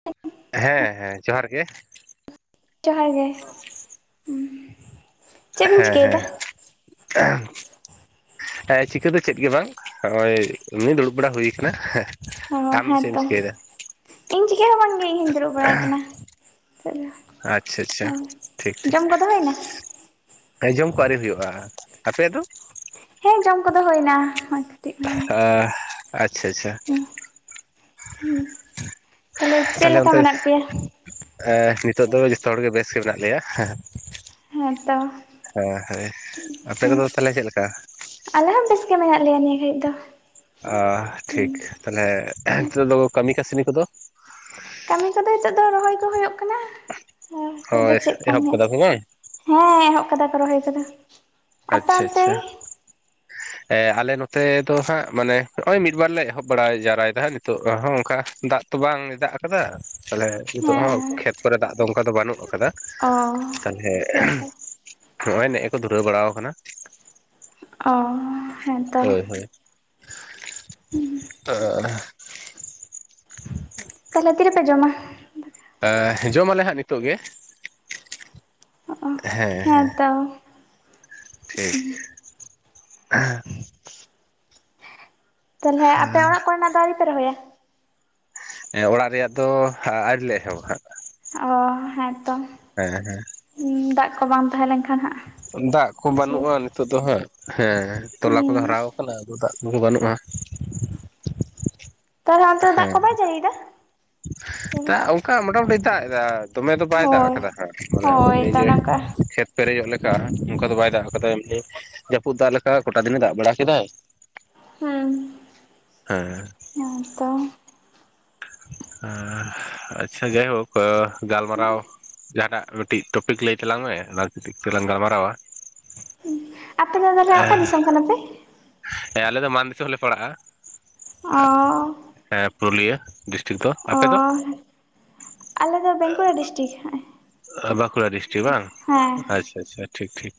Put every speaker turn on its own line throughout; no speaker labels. [inaudible]
ᱦᱮᱸ ᱦᱮᱸ ᱡᱚᱦᱟᱨ ᱜᱮ᱾
ᱡᱚᱦᱟᱨ ᱜᱮ᱾ ᱪᱮᱫ ᱵᱤᱱ
ᱦᱮᱸ,
ᱪᱤᱠᱟᱹᱭᱮᱫᱟ?
ᱦᱮᱸ [unintelligible] ᱦᱮᱸ ᱪᱤᱠᱟᱹ ᱫᱚ ᱪᱮᱫ ᱜᱮ ᱵᱟᱝ ᱱᱚᱜᱼᱚᱭ ᱩᱱᱤ ᱫᱩᱲᱩᱵ ᱵᱟᱲᱟ ᱦᱩᱭ ᱠᱟᱱᱟ ᱦᱮ᱾
ᱚ ᱦᱮᱸᱛᱚ ᱤᱧ ᱪᱤᱠᱟᱹ ᱦᱚᱸ ᱵᱟᱝ ᱜᱮ ᱤᱧ ᱦᱚᱧ ᱫᱩᱲᱩᱵ ᱵᱟᱲᱟ ᱠᱟᱱᱟ᱾ [unintelligible]
ᱟᱪᱪᱷᱟ, ᱟᱪᱪᱷᱟ ᱴᱷᱤᱠ, ᱴᱷᱤᱠ᱾
ᱦᱩᱭᱱᱟ?
ᱟᱸᱡᱚᱢ ᱠᱚ ᱟᱹᱨᱤ ᱦᱩᱭᱩᱜᱼᱟ ᱟᱯᱮ ᱫᱚ?
ᱦᱮᱸ ᱡᱚᱢ ᱠᱚᱫᱚ ᱦᱩᱭᱱᱟ᱾ ᱠᱟᱹᱴᱤᱡ
ᱚ
ᱢᱟᱲᱟᱝ ᱜᱮ
ᱟᱪᱪᱷᱟ, ᱟᱪᱪᱷᱟ᱾
ᱦᱩᱸ ᱛᱟᱦᱞᱮ ᱪᱮᱫ
ᱛᱟᱦᱚᱞᱮ
ᱞᱮᱠᱟ
ᱚᱱᱛᱮ
ᱢᱮᱱᱟᱜ ᱯᱮᱭᱟ?
ᱱᱤᱛᱚᱜ ᱫᱚ ᱡᱚᱛᱚ ᱦᱚᱲᱜᱮ ᱵᱮᱥ ᱜᱮ ᱢᱮᱱᱟᱜ ᱞᱮᱭᱟ ᱦᱮᱸ᱾
ᱦᱮᱸᱛᱚ
ᱦᱳᱭ ᱦᱳᱭ ᱟᱯᱮ
ᱦᱩᱸ
ᱠᱚᱫᱚ ᱛᱟᱦᱚᱞᱮ ᱪᱮᱫ ᱞᱮᱠᱟ?
ᱟᱞᱮ ᱦᱚᱸ ᱵᱮᱥ ᱜᱮ ᱢᱮᱱᱟᱜ ᱜᱮ ᱞᱮᱭᱟ ᱱᱤᱭᱟᱹ ᱜᱷᱟᱹᱲᱤᱡ ᱫᱚ᱾
ᱟ ᱴᱷᱤᱠ ᱛᱟᱞᱦᱮ ᱱᱤᱛᱚᱜ ᱫᱚ ᱠᱟᱹᱢᱤ ᱠᱟᱹᱥᱱᱤ ᱠᱚᱫᱚ?
ᱠᱟᱹᱢᱤ ᱠᱚᱫᱚ ᱱᱤᱛᱚᱜ ᱫᱚ ᱨᱚᱦᱚᱭ ᱠᱚ ᱦᱩᱭᱩᱜ ᱠᱟᱱᱟ᱾ ᱟᱨ ᱱᱤᱛᱚᱜ ᱫᱚ
ᱦᱳᱭ
ᱪᱮᱫ ᱠᱟᱢᱤ
ᱮᱦᱚᱵ
ᱢᱮ
ᱠᱟᱫᱟ ᱯᱮ ᱵᱟᱝ
ᱦᱮᱸ ᱮᱦᱚᱵ ᱠᱟᱫᱟ ᱠᱚ ᱨᱚᱦᱚᱭ ᱠᱚᱫᱚ᱾ ᱟᱯᱮ
ᱟᱪᱪᱷᱟ,
ᱚᱱᱛᱮ?
ᱟᱪᱪᱷᱟ᱾ ᱟᱞᱮ ᱱᱚᱛᱮ ᱫᱚ ᱦᱟᱸᱜ ᱢᱟᱱᱮ ᱦᱚᱸᱜᱼᱚᱭ ᱢᱤᱫ ᱵᱟᱨ ᱞᱮ ᱮᱦᱚᱵ ᱵᱟᱲᱟ ᱡᱟᱣᱨᱟᱭᱫᱟ ᱦᱟᱸᱜ ᱱᱤᱛᱳᱜ ᱦᱚᱸ ᱚᱱᱠᱟ ᱫᱟᱜ ᱛᱚ ᱵᱟᱝ ᱫᱟᱜ ᱠᱟᱫᱟ ᱛᱟᱦᱚᱞᱮ ᱱᱤᱛᱚᱜ ᱦᱚᱸ
ᱦᱮᱸ
ᱠᱷᱮᱛ ᱠᱚᱨᱮ ᱫᱟᱜ ᱫᱚ ᱚᱱᱠᱟ ᱫᱚ ᱵᱟᱹᱱᱩᱜ ᱠᱟᱫᱟ
ᱚ
ᱛᱟᱞᱦᱮ
ᱦᱮᱸᱛᱚ
ᱱᱚᱜ ᱚᱭ ᱱᱮᱜ-ᱮ ᱠᱚ ᱫᱷᱩᱨᱟᱹᱣ ᱵᱟᱲᱟ
ᱚ ᱦᱮᱸᱛᱚ᱾
[unintelligible]
ᱛᱟᱦᱚᱞᱮ ᱛᱤ ᱨᱮᱯᱮ ᱡᱚᱢᱟ?
ᱡᱚᱢᱟᱞᱮ ᱦᱟᱸᱜ ᱱᱤᱛᱳᱜ ᱜᱮ
ᱚ
ᱦᱮᱸ, ᱦᱮᱸ᱾
ᱦᱮᱸᱛᱚ
ᱴᱷᱤᱠ᱾
ᱛᱟᱦᱞᱮ ᱟᱯᱮ ᱚᱲᱟᱜ ᱠᱚᱨᱮᱱᱟᱜ ᱫᱚ ᱟᱣᱨᱤ ᱯᱮ ᱨᱚᱦᱚᱭᱟ?
ᱚᱲᱟᱜ ᱨᱮᱭᱟᱜ ᱫᱚ ᱟᱣᱨᱤ ᱞᱮ ᱮᱦᱚᱵᱟ ᱦᱟᱜ᱾
ᱚ ᱦᱮᱸᱛᱚ᱾
ᱦᱮᱸ, ᱦᱮᱸ᱾
ᱦᱩᱸ ᱫᱟᱜ ᱠᱚ ᱵᱟᱝ ᱛᱟᱦᱮᱸ ᱞᱮᱱ ᱠᱷᱟᱱ ᱦᱟᱸᱜ
ᱫᱟᱜ ᱠᱚ ᱵᱟᱹᱱᱩᱜᱼᱟ
ᱚᱥᱩᱵᱤᱫᱟ
ᱱᱤᱛᱚᱜ ᱫᱚ ᱦᱟᱸᱜ ᱦᱮᱸ ᱛᱚᱞᱟ ᱠᱚᱫᱚ
ᱦᱩᱸ
ᱦᱟᱨᱟᱣ ᱠᱟᱱᱟ ᱟᱫᱚ ᱫᱟᱜ [unintelligible] ᱵᱟᱹᱱᱩᱜᱼᱟ᱾
ᱛᱟᱦᱚᱞᱮ ᱚᱱᱛᱮ ᱫᱟᱜ ᱠᱚ
ᱦᱮᱸ
ᱵᱟᱭ ᱡᱟᱲᱤᱭ ᱫᱟ?
ᱫᱟᱜ ᱚᱱᱠᱟ ᱢᱚᱴᱟᱢᱩᱴᱤ ᱫᱟᱜ ᱮᱫᱟ᱾ ᱫᱚᱢᱮ ᱫᱚ ᱵᱟᱭ ᱫᱟᱜ
ᱦᱳᱭ
ᱠᱟᱫᱟ ᱦᱟᱸᱜ ᱢᱟᱱᱮ
ᱦᱳᱭ ᱛᱚ
ᱱᱤᱡᱮ
ᱚᱱᱮ ᱚᱱᱠᱟ
ᱠᱷᱮᱛ ᱯᱮᱨᱮᱡᱚᱜ ᱞᱮᱠᱟ ᱚᱱᱠᱟ ᱫᱚ ᱵᱟᱭ ᱫᱟᱜ ᱠᱟᱫᱟ ᱮᱢᱱᱤ ᱡᱟᱹᱯᱩᱫ ᱫᱟᱜ ᱞᱮᱠᱟ ᱠᱚᱴᱟ ᱫᱤᱱᱮ ᱫᱟᱜ ᱵᱟᱲᱟ ᱠᱮᱫᱟᱭ᱾
ᱦᱮᱸ
ᱦᱮᱸ
ᱦᱮᱸ ᱛᱚ
ᱟᱦ ᱟᱪᱪᱷᱟ ᱜᱮᱭᱦᱳᱠᱳ ᱜᱟᱞᱢᱟᱨᱟᱣ ᱡᱟᱦᱟ ᱴᱟᱜ ᱢᱤᱴᱤᱡ ᱴᱚᱯᱤᱠ ᱞᱟᱹᱭ ᱛᱟᱞᱟᱝ ᱢᱮ ᱚᱱᱟ ᱴᱤᱡ ᱛᱮᱞᱟᱝ ᱜᱟᱞᱢᱟᱨᱟᱣᱟ᱾
ᱟᱯᱮ ᱫᱚ ᱛᱚᱞᱦᱮ ᱚᱠᱟ ᱫᱤᱥᱚᱢ ᱠᱟᱱᱟ ᱯᱮ?
ᱦᱮᱸ ᱟᱞᱮ ᱫᱚ ᱢᱟᱱ ᱫᱤᱥᱚᱢ ᱞᱮ ᱯᱟᱲᱟᱜᱼᱟ,
ᱚ
ᱦᱮᱸ ᱯᱩᱨᱩᱞᱤᱭᱟᱹ᱾ ᱰᱤᱥᱴᱤᱠ ᱫᱚ,
ᱚ
ᱟᱯᱮ ᱫᱚ?
ᱟᱞᱮ ᱫᱚ ᱵᱮᱸᱠᱩᱲᱟ ᱰᱤᱥᱴᱤᱠ, ᱦᱮ᱾
ᱵᱟᱸᱠᱩᱲᱟ ᱰᱤᱥᱴᱤᱠ ᱵᱟᱝ ᱟᱪᱪᱷᱟ ᱟᱪᱪᱷᱟ ᱴᱷᱤᱠ ᱴᱷᱤᱠ᱾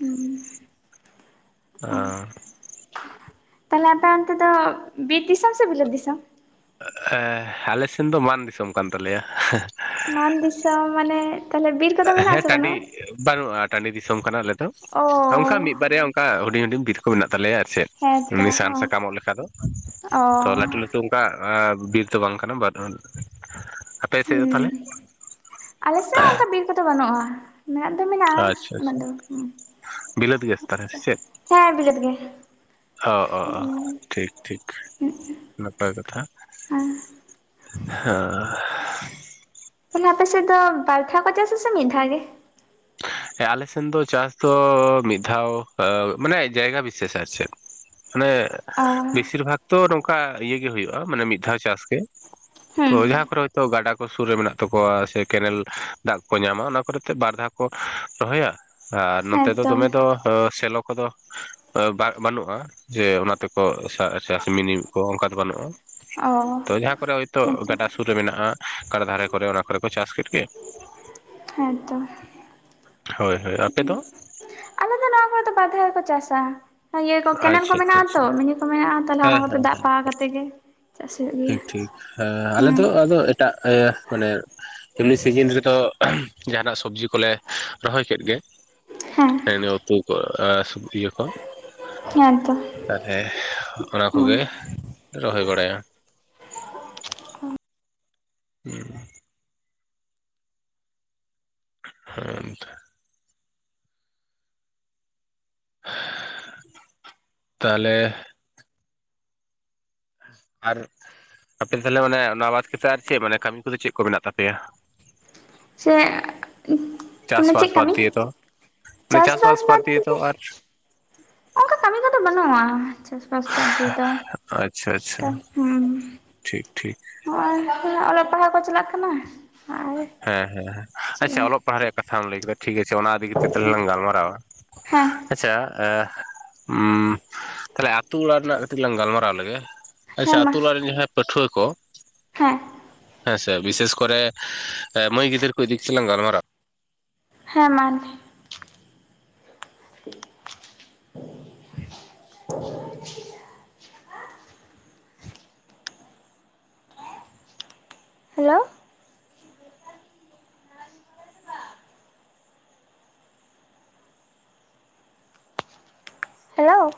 ᱟᱸ
ᱛᱟᱦᱚᱞᱮ ᱟᱯᱮ ᱚᱱᱛᱮ ᱫᱚ ᱵᱤᱨ ᱫᱤᱥᱚᱢ ᱥᱮ ᱵᱤᱞᱟᱹᱛ ᱫᱤᱥᱚᱢ?
ᱮᱸ ᱟᱞᱮ ᱥᱮᱱ ᱫᱚ ᱵᱟᱱ ᱫᱤᱥᱚᱢ ᱠᱟᱱ ᱛᱟᱞᱮᱭᱟ᱾
ᱢᱟᱱ ᱫᱤᱥᱚᱢ ᱢᱟᱱᱮ? ᱛᱟᱦᱚᱞᱮ ᱵᱤᱨ ᱠᱚᱫᱚ ᱢᱮᱱᱟᱜ
ᱦᱮᱸ
ᱟᱥᱮ
ᱴᱟᱺᱰᱤ
ᱵᱟᱹᱱᱩᱜᱼᱟ?
ᱵᱟᱹᱱᱩᱜᱼᱟ᱾ ᱴᱟᱺᱰᱤ ᱫᱤᱥᱚᱢ ᱠᱟᱱᱟ ᱟᱞᱮ ᱫᱚ, ᱚᱝᱠᱟ
ᱚ
ᱢᱤᱜ ᱵᱟᱨᱭᱟ ᱚᱝᱠᱟ ᱦᱩᱰᱤᱧ ᱦᱩᱰᱤᱧ ᱵᱤᱨ ᱠᱚ ᱢᱮᱱᱟᱜ ᱛᱟᱞᱮᱭᱟ ᱟᱨ ᱪᱮᱫ᱾
ᱦᱮᱸᱛᱚ
ᱢᱮ ᱥᱟᱱ ᱥᱟᱠᱟᱢᱚᱜ ᱞᱮᱠᱷᱟ ᱫᱚ,
ᱚ
ᱛᱚ ᱞᱟᱹᱴᱩ ᱞᱟᱹᱴᱩ ᱠᱟᱜᱼᱟ ᱵᱤᱨ ᱫᱚ ᱵᱟᱝ ᱠᱟᱱᱟ [unintelligible]
ᱦᱩᱸ
ᱛᱟᱦᱚᱞᱮ?
ᱟᱞᱮᱥᱮᱜ ᱦᱚᱸ ᱚᱝᱠᱟ ᱵᱤᱨ ᱠᱚᱫᱚ ᱵᱟᱹᱱᱩᱜᱼᱟ᱾ ᱢᱮᱱᱟᱜ ᱫᱚ ᱢᱮᱱᱟᱜᱼᱟ
ᱟᱪᱪᱷᱟ
ᱩᱱᱟᱜ
ᱟᱪᱪᱷᱟ
ᱫᱚ ᱵᱟᱝ᱾
ᱵᱤᱞᱟᱹᱛ ᱜᱮᱭᱟ ᱥᱮ ᱛᱟᱦᱞᱮ ᱥᱮ ᱪᱮᱫ?
ᱦᱮᱸ ᱵᱤᱞᱟᱹᱛ ᱜᱮ
ᱚ ᱚ ᱚ ᱴᱷᱤᱠ ᱴᱷᱤᱠ ᱱᱟᱯᱟᱭ ᱠᱟᱛᱷᱟ᱾
ᱦᱮᱸ
ᱦᱚᱸ
ᱛᱟᱞᱮ ᱟᱯᱮ ᱥᱮᱜ ᱫᱚ ᱵᱟᱨ ᱫᱷᱟᱣ ᱠᱚ ᱪᱟᱥᱼᱟ ᱥᱮ ᱢᱤᱫ ᱫᱷᱟᱣ ᱜᱮ?
ᱦᱮ ᱟᱞᱮ ᱥᱮᱱ ᱫᱚ ᱪᱟᱥ ᱫᱚᱻ ᱢᱤᱫ ᱫᱷᱟᱣ ᱟᱸ ᱢᱟᱱᱮ ᱡᱟᱭᱜᱟ ᱵᱤᱥᱮᱥ ᱟᱨ ᱪᱮᱫ᱾
[unintelligible]
ᱢᱟᱱᱮ
ᱚ
ᱵᱤᱥᱤᱨ ᱵᱷᱟᱜ ᱛᱚ ᱱᱚᱝᱠᱟ ᱤᱭᱟᱹ ᱜᱮ ᱦᱩᱭᱩᱜᱼᱟ ᱢᱟᱱᱮ ᱢᱤᱫ ᱫᱷᱟᱣ ᱪᱟᱥ ᱜᱮ᱾ ᱛᱚ
ᱦᱩᱸ
ᱡᱟᱸᱦᱟ ᱠᱚᱨᱮ ᱦᱚᱭᱛᱚ ᱜᱟᱰᱟ ᱠᱚ ᱥᱩᱨ ᱨᱮ ᱢᱮᱱᱟᱜ ᱛᱟᱠᱚᱣᱟ ᱥᱮ ᱠᱮᱱᱮᱞ ᱫᱟᱜ ᱠᱚ ᱧᱟᱢᱟ ᱚᱱᱟ ᱠᱚᱨᱮᱛᱮ ᱵᱟᱨ ᱫᱷᱟᱣ᱾ ᱠᱚ ᱨᱚᱦᱚᱭᱟ, ᱟᱨ ᱱᱚᱸᱛᱮ ᱫᱚ
ᱦᱮᱸᱛᱚ
ᱫᱚᱢᱮ ᱫᱚ ᱮᱸ ᱥᱮᱞᱚ ᱠᱚᱫᱚ ᱵᱟ ᱵᱟᱹᱱᱩᱜᱼᱟ ᱡᱮ ᱚᱱᱟᱛᱮᱠᱚ ᱥᱟ ᱪᱟᱥ ᱢᱤᱱᱤ ᱠᱚ ᱚᱱᱠᱟ ᱫᱚ ᱵᱟᱹᱱᱩᱜᱼᱟ᱾
ᱚ
ᱛᱚ ᱡᱟᱦᱟᱸ ᱠᱚᱨᱮ ᱦᱚᱭᱛᱚ
ᱦᱮᱸᱛᱚ
ᱜᱟᱰᱟ ᱥᱩᱨ ᱨᱮ ᱢᱮᱱᱟᱜᱼᱟ ᱠᱟᱨᱟ ᱫᱷᱟᱨᱮ ᱠᱚᱨᱮ ᱚᱱᱟ ᱠᱚᱨᱮ ᱠᱚ ᱪᱟᱥ ᱠᱮᱰ ᱜᱮ᱾
ᱦᱮᱸᱛᱚ
ᱦᱳᱭ ᱦᱳᱭ ᱟᱯᱮ ᱫᱚ?
ᱟᱞᱮ ᱫᱚ ᱱᱚᱣᱟ ᱠᱚᱨᱮ ᱫᱚ [unintelligible] ᱫᱷᱟᱣ ᱠᱚ ᱪᱟᱥᱟ᱾ ᱤᱭᱟᱹ ᱠᱚ ᱠᱮᱱᱮᱞ ᱠᱚ
ᱟᱪᱪᱷᱟ ᱟᱪᱪᱷᱟ
ᱢᱮᱱᱟᱜᱼᱟ
ᱟᱪᱪᱷᱟ
ᱛᱚ ᱢᱤᱱᱤ ᱠᱚ ᱢᱮᱱᱟᱜᱼᱟ, ᱛᱟᱦᱚᱞᱮ ᱚᱱᱟ
ᱦᱮᱸ
ᱠᱚᱛᱮ
ᱦᱮᱸ
ᱫᱟᱜ ᱯᱟᱣᱟ ᱠᱟᱛᱮ ᱜᱮ᱾ ᱪᱟᱥ ᱦᱩᱭᱩᱜ ᱜᱮᱭᱟ
ᱴᱷᱤᱠ ᱴᱷᱤᱠ ᱮ
ᱦᱩᱸ
ᱟᱞᱮ
ᱦᱮᱸ
ᱫᱚ ᱟᱫᱚ ᱮᱴᱟᱜ ᱮ ᱢᱟᱱᱮ ᱮᱢᱱᱤ ᱥᱤᱡᱤᱱ ᱨᱮᱫᱚ ᱡᱟᱦᱟᱱᱟᱜ ᱥᱚᱵᱡᱤ ᱠᱚᱞᱮ ᱨᱚᱦᱚᱭ ᱠᱮᱫ ᱜᱮ᱾
ᱦᱮᱸ
ᱦᱮᱸᱱᱮ ᱩᱛᱩ ᱠᱚ ᱟ ᱥᱚᱵᱡᱤ ᱠᱚ᱾
ᱦᱮᱸ ᱛᱚ
ᱛᱟᱦᱚᱞᱮ ᱚᱱᱟ ᱠᱚᱜᱮ ᱨᱚᱦᱚᱭ ᱵᱟᱲᱟᱭᱟ᱾ [inaudible] ᱦᱮᱸᱛᱚ ᱛᱟᱦᱚᱞᱮ ᱟᱨ ᱟᱯᱮ ᱛᱟᱦᱚᱞᱮ ᱚᱱᱮ ᱱᱚᱣᱟ ᱵᱟᱫ ᱠᱟᱛᱮ ᱟᱨ ᱪᱮᱜ ᱢᱟᱱᱮ ᱠᱟᱹᱢᱤ ᱠᱚᱫᱚ ᱪᱮᱜ ᱠᱚ ᱢᱮᱱᱟᱜ ᱛᱟᱯᱮᱭᱟ?
ᱥᱮᱜ ᱢᱟᱱᱮ
ᱪᱟᱥᱵᱟᱥ
ᱪᱮᱜ
ᱵᱟᱫ
ᱠᱟᱹᱢᱤ?
ᱫᱤᱭᱮ ᱫᱚ ᱢᱟᱱᱮ
ᱪᱟᱥᱵᱟᱥ ᱵᱟᱫ
ᱫᱤᱭᱮ ᱫᱚ
ᱠᱟᱛᱮ
ᱟᱨ
ᱚᱱᱠᱟ ᱠᱟᱹᱢᱤ ᱠᱚᱫᱚ ᱵᱟᱹᱱᱩᱜᱼᱟ, ᱪᱟᱥᱵᱟᱥ ᱵᱟᱫᱽ ᱫᱤᱭᱮ ᱫᱚ,
ᱟᱪᱪᱷᱟ ᱟᱪᱪᱷᱟ
ᱦᱩᱸ
ᱴᱷᱤᱠ ᱴᱷᱤᱠ,
ᱦᱚᱜᱼᱚᱭ ᱱᱟᱥᱮᱱᱟᱜ ᱚᱞᱚᱜ ᱯᱟᱲᱦᱟᱣ ᱠᱚ ᱪᱟᱞᱟᱜ ᱠᱟᱱᱟ, ᱟᱨ
ᱦᱮᱸ ᱦᱮᱸ ᱦᱮᱸ,
ᱪᱮᱫ
ᱟᱪᱪᱷᱟ ᱚᱞᱚᱜ ᱯᱟᱲᱦᱟᱜ ᱨᱮᱭᱟᱜ ᱠᱟᱛᱷᱟᱢ ᱞᱮᱭ ᱠᱮᱫᱟ ᱴᱷᱤᱠ ᱟᱪᱷᱮ ᱚᱱᱟ ᱤᱫᱤ ᱠᱟᱛᱮᱜ ᱛᱟᱦᱚᱞᱮ ᱞᱟᱝ ᱜᱟᱞᱢᱟᱨᱟᱣᱟ,
ᱦᱮᱸ
ᱟᱪᱪᱷᱟ [unintelligible] ᱛᱟᱦᱚᱞᱮ ᱟᱛᱩ ᱚᱲᱟᱜ ᱱᱟᱜ ᱠᱟᱹᱴᱤᱡ ᱞᱟᱝ ᱜᱟᱞᱢᱟᱨᱟᱣ ᱞᱮᱜᱮ, ᱟᱪᱪᱷᱟ
ᱦᱮᱸ ᱢᱟ
ᱟᱛᱩ ᱚᱲᱟᱜ ᱨᱮᱱ ᱡᱟᱦᱟᱸᱭ ᱯᱟᱹᱴᱷᱩᱣᱟᱹ ᱠᱚ,
ᱦᱮᱸ, [inaudible]
ᱟᱪᱪᱷᱟ, ᱵᱤᱥᱮᱥ ᱠᱚᱨᱮ ᱢᱟᱹᱭ ᱜᱤᱫᱽᱨᱟᱹ ᱠᱚ ᱤᱫᱤ ᱠᱟᱛᱮᱜ ᱞᱟᱝ ᱜᱟᱞᱢᱟᱨᱟᱣ,
ᱦᱮᱸ, ᱢᱟᱨ ᱦᱮᱞᱳ? ᱦᱮᱞᱳ?